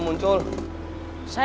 kunjung indonesia ke jacky